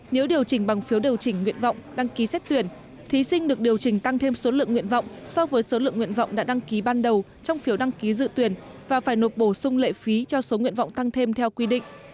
nếu điều chỉnh bằng phiếu điều chỉnh nguyện vọng đăng ký xét tuyển thí sinh được điều chỉnh tăng thêm số lượng nguyện vọng so với số lượng nguyện vọng đã đăng ký ban đầu trong phiếu đăng ký dự tuyển và phải nộp bổ sung lệ phí cho số nguyện vọng tăng thêm theo quy định